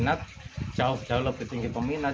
peminat jauh jauh lebih tinggi peminat